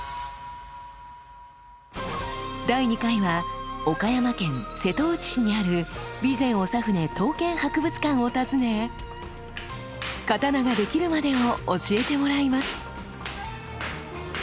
第２回は岡山県瀬戸内市にある備前長船刀剣博物館を訪ね刀ができるまでを教えてもらいます。